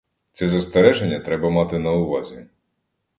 Це застереження треба мати на увазі.